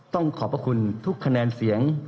ขอบพระคุณทุกคะแนนเสียง